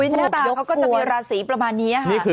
หน้าตาเขาก็จะมีราศีประมาณนี้ค่ะ